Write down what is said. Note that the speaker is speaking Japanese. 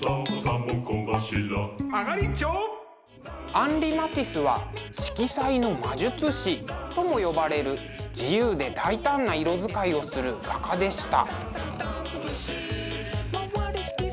アンリ・マティスは「色彩の魔術師」とも呼ばれる自由で大胆な色使いをする画家でした。